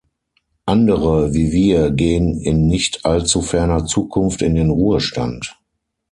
Andere, wie wir, gehen in nicht allzu ferner Zukunft in den Ruhestand.